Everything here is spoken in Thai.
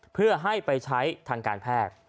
เพื่อให้ไปใช้ทางการแภก